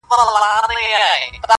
په څپو کي ستا غوټې مي وې لیدلي-